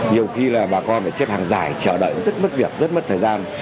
điều khi là bà con phải xếp hàng giải chờ đợi rất mất việc rất mất thời gian